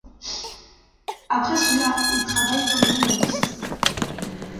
Après cela, il travaille comme journaliste.